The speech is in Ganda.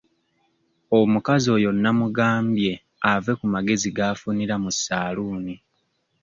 Omukazi oyo namugambye ave ku magezi g'afunira mu ssaaluuni.